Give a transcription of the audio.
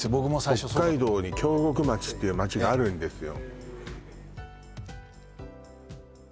北海道に京極町っていう町があるんですよ